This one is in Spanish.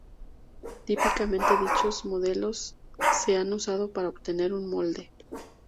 Típicamente dichos modelos se han usado para obtener un molde.